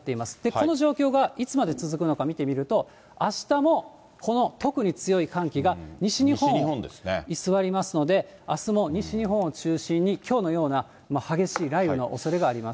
この状況がいつまで続くのか見てみると、あしたも、この特に強い寒気が、西日本に居座りますので、あすも西日本を中心に、きょうのような激しい雷雨のおそれがあります。